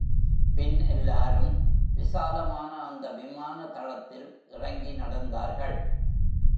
பின் எல்லாரும் விசாலமான அந்த விமானதளத்தில் இறங்கி நடந்தார்கள்.